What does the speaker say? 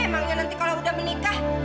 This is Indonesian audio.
emangnya nanti kalau udah menikah